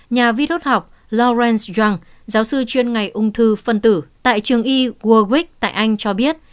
nhà vi rút học lawrence young giáo sư chuyên ngày ung thư phân tử tại trường y warwick tại anh cho biết